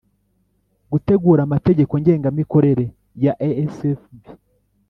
Gutegura amategeko ngengamikorere ya sfb